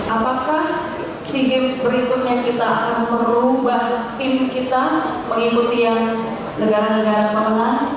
apakah sea games berikutnya kita akan merubah tim kita mengikuti yang negara negara pemenang